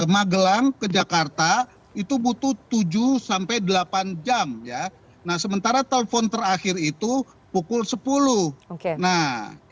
magelang ke jakarta itu butuh tujuh delapan jam ya nah sementara telpon terakhir itu pukul sepuluh oke nah